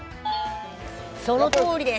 そのとおりです。